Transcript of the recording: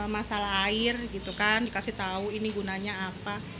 masalah air gitu kan dikasih tahu ini gunanya apa